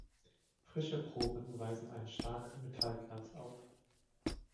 Frische Proben weisen einen starken Metallglanz auf.